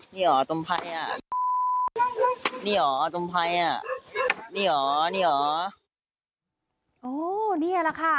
นี่อ๋อตรมไพ่อ่ะนี่อ๋อตรมไพ่อ่ะนี่อ๋อนี่อ๋อโอ้นี่แหละค่ะ